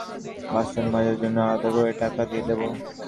বাসন মাজার জন্য আলাদা করে টাকা দিয়ে দেব।